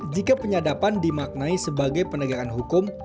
jika penyadapan dimaknai sebagai penegakan hukum